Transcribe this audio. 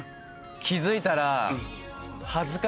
気付いたら。